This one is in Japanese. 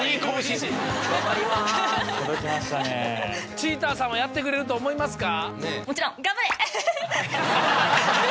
ちーたーさんはやってくれると思いますか？